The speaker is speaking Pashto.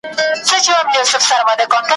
بزګر وویل غویی چي ستړی کېږي ,